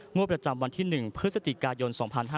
งวดประจำวันที่๑พฤศจิกายน๒๕๕๙